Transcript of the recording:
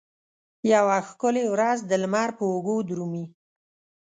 یوه ښکلې ورځ د لمر په اوږو درومې